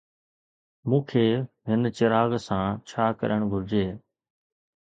مون کي هن چراغ سان ڇا ڪرڻ گهرجي؟